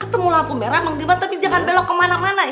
ketemu lampu merah mang liman tapi jangan belok kemana mana ya